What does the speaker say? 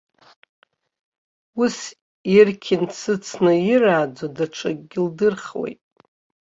Ус ирқьынцыцны ирааӡо даҽакгьы лдырхуеит.